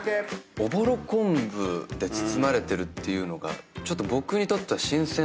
おぼろ昆布で包まれてるっていうのが僕にとっては新鮮過ぎて。